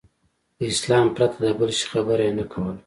له اسلام پرته د بل شي خبره یې نه کوله.